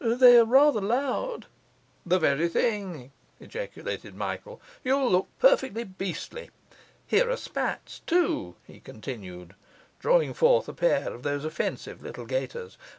They are rather loud.' 'The very thing!' ejaculated Michael. 'You'll look perfectly beastly. Here are spats, too,' he continued, drawing forth a pair of those offensive little gaiters.